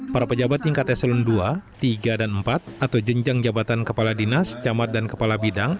para pejabat tingkat eselon ii tiga dan empat atau jenjang jabatan kepala dinas camat dan kepala bidang